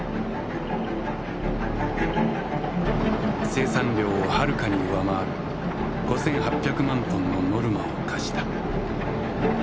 生産量をはるかに上回る５８００万トンのノルマを課した。